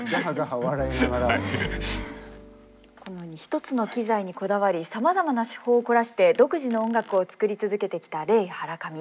このように一つの機材にこだわりさまざまな手法を凝らして独自の音楽を作り続けてきたレイ・ハラカミ。